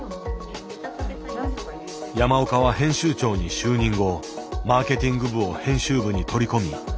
山岡は編集長に就任後マーケティング部を編集部に取り込み